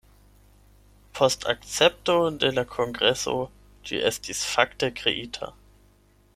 Post akcepto de la Kongreso ĝi estis fakte kreita.